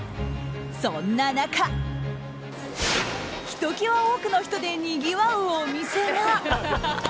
そんな中、ひと際多くの人でにぎわうお店が。